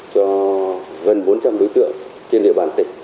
cho gần bốn trăm linh đối tượng trên địa bàn tỉnh